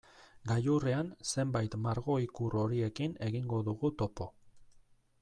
Gailurrean zenbait margo-ikur horirekin egingo dugu topo.